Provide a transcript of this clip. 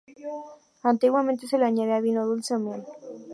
Antiguamente se le añadía vino dulce o miel.